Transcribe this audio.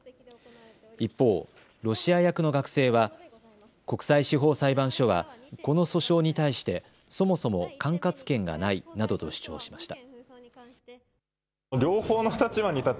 一方、ロシア役の学生は国際司法裁判所はこの訴訟に対してそもそも管轄権がないなどと主張しました。